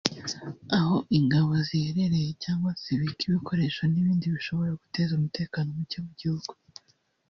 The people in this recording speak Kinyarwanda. aho ingabo ziherereye cyangwa zibika ibikoresho n’ibindi bishobora guteza umutekano muke mu gihugu